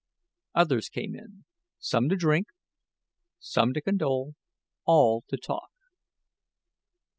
Others came in, some to drink, some to condole all, to talk.